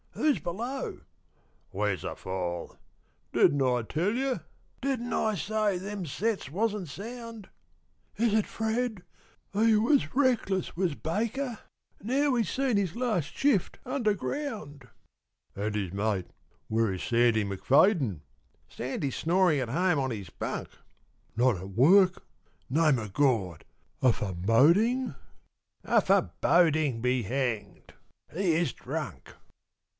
"Who's below?" "Where's the fall?" "Didn't I tell you? Didn't I say them sets wasn't sound?" "Is it Fred? He was reckless was Baker; now he's seen his last shift underground." "And his mate? Where is Sandy M'Fadyn?" "Sandy's snoring at home on his bunk." "Not at work! Name of God! a foreboding?" "A foreboding be hanged! He is drunk!"